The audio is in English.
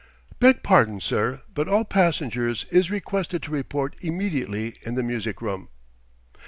"Beg pardon, sir, but all passingers is requested to report immedately in the music room."